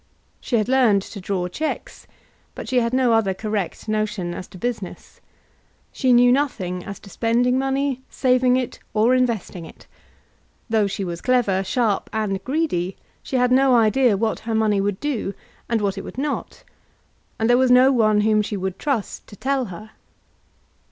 She had learned to draw cheques, but she had no other correct notion as to business. She knew nothing as to spending money, saving it, or investing it. Though she was clever, sharp, and greedy, she had no idea what her money would do, and what it would not; and there was no one whom she would trust to tell her.